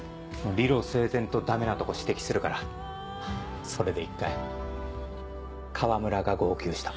理路整然とダメなとこ指摘するからそれで１回河村が号泣した。